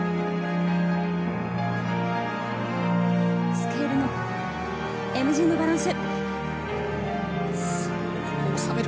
スケールのＭＧのバランス。